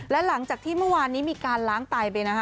และหลังจากที่เมื่อวานนี้มีการล้างไตไปนะคะ